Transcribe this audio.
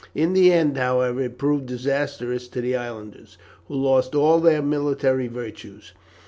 In the end, however, it proved disastrous to the islanders, who lost all their military virtues.